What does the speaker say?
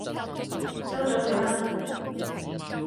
收咗佢啦！